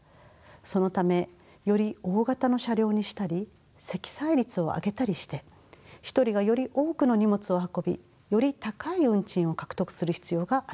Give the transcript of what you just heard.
そのためより大型の車両にしたり積載率を上げたりして１人がより多くの荷物を運びより高い運賃を獲得する必要があります。